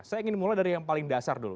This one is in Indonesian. saya ingin mulai dari yang paling dasar dulu